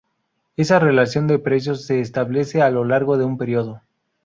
Esa relación de precios se establece a lo largo de un período.